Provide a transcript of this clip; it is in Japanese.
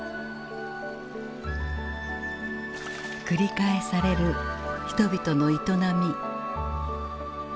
繰り返される人々の営み。